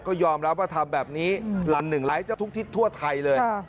ก็ยอมรับว่าทำแบบนี้ลำหนึ่งไร้เจ้าทุกทิศทั่วไทยเลย